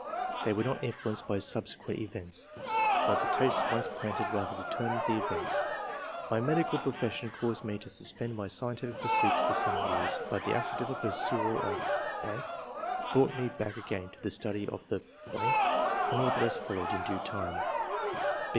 They were not influenced by subsequent events, but the tastes once planted rather determined the events. My medical profession caused me to suspend my scientific pursuits for some years; but the accidental perusal of .... brought me back again to the study of the .•.•, and all the rest followed in due time."